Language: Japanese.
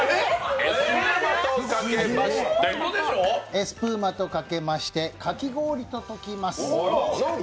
エスプーマとかけましてかき氷とときます。